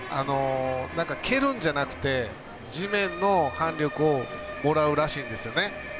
蹴るんじゃなくて地面の反力をもらうらしいんですよね。